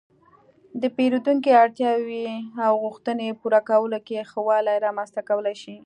-د پېرېدونکو اړتیاو او غوښتنو پوره کولو کې ښه والی رامنځته کولای شئ